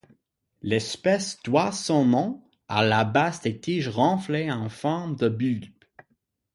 L'espèce doit son nom à la base des tiges renflées en forme de bulbes.